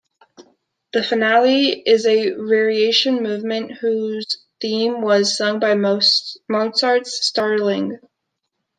The finale is a variation movement whose theme was sung by Mozart's starling.